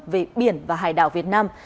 về biển và hải đảo việt nam